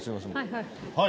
はい。